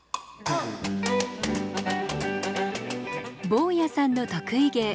坊屋さんの得意芸